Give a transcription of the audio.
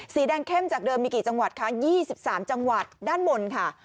สีแดงเข้มจากเดิมมีกี่จังหวัดคะ๒๓จังหวัดด้านบนค่ะ